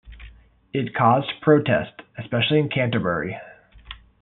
It caused protest, especially in Canterbury.